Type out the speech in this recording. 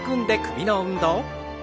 首の運動。